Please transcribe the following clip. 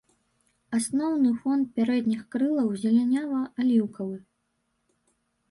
Асноўны фон пярэдніх крылаў зелянява-аліўкавы.